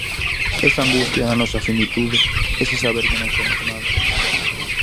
Esa angustia da nosa finitude, ese saber que non somos nada...